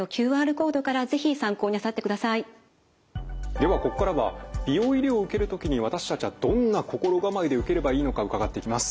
ではここからは美容医療を受ける時に私たちはどんな心構えで受ければいいのか伺っていきます。